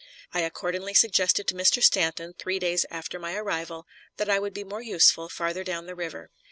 I accordingly suggested to Mr. Stanton, three days after my arrival, that I would be more useful farther down the river.